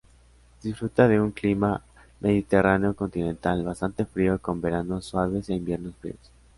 Disfruta de un clima mediterráneo continental bastante frío con veranos suaves e inviernos fríos.